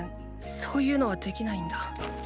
そーゆうのはできないんだ。